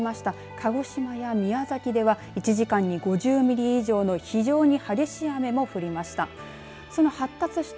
鹿児島や宮崎では１時間に５０ミリ以上の非常に激しい雨も降りました。